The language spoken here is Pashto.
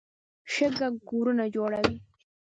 شګه کورونه جوړوي.